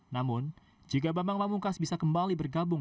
namun jika bambang pamungkas bisa kembali bergabung